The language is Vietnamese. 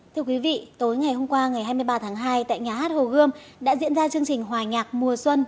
thưa quý vị tối ngày hôm qua ngày hai mươi ba tháng hai tại nhà hát hồ gươm đã diễn ra chương trình hòa nhạc mùa xuân